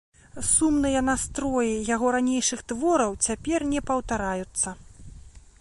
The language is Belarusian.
Сумныя настроі яго ранейшых твораў цяпер не паўтараюцца.